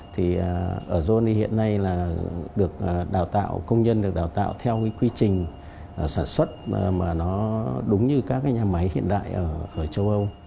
giovanni hiện nay công nhân được đào tạo theo quy trình sản xuất đúng như các nhà máy hiện đại ở châu âu